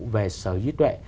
về sở dữ tuệ